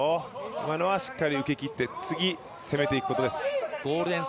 今のはしっかり受けきって、次攻めていくことです。